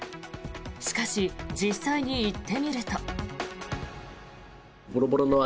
しかし、実際に行ってみると。